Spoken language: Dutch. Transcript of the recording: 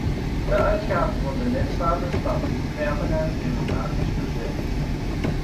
De uitgaven van de lidstaten staan onder permanent democratisch toezicht.